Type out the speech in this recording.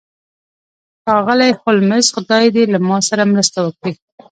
ښاغلی هولمز خدای دې له ما سره مرسته وکړي